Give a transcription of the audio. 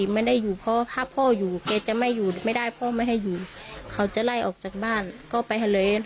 ไม่ยอมแล้วแม่ก็จะไป